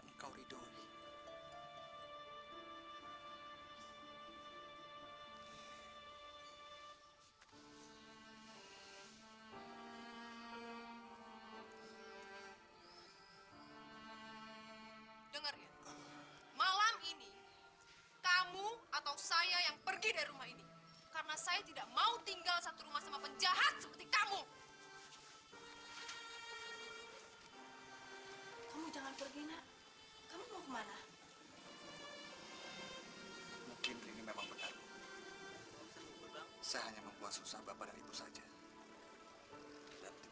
sampai jumpa di video selanjutnya